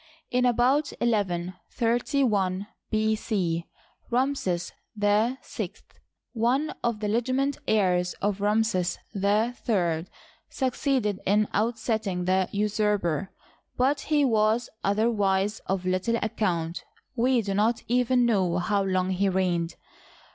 In about 1131 B. C Ramses VI, one of the legitimate heirs of Ramses III, succeeded in ousting the usurper; but he was otherwise of little account— we do not even know how long he reigned.